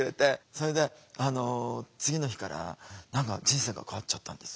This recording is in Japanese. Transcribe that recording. それで次の日から人生が変わっちゃったんです。